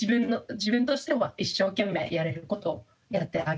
自分としては一生懸命やれることをやってあげたいと思っています。